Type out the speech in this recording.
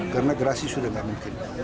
karena gerasi sudah tidak mungkin